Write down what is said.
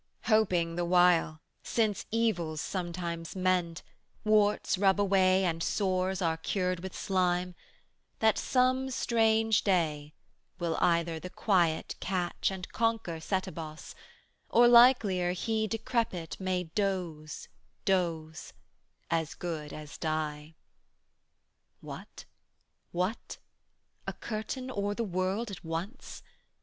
_" Hoping the while, since evils sometimes mend, Warts rub away, and sores are cured with slime, 280 That some strange day, will either the Quiet catch And conquer Setebos, or likelier He Decrepit may doze, doze, as good as die. [What, what? A curtain o'er the world at once!